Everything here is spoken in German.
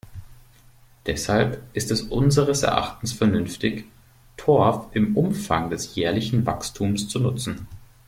Deshalb ist es unseres Erachtens vernünftig, Torf im Umfang des jährlichen Wachstums zu nutzen.